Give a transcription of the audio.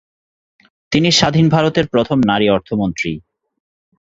তিনি স্বাধীন ভারতের প্রথম নারী অর্থমন্ত্রী।